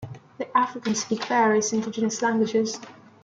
The Africans speak various indigenous languages.